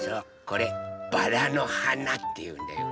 これバラのはなっていうんだよ。